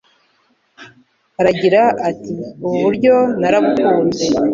Aragira ati Ubu buryo narabukunze.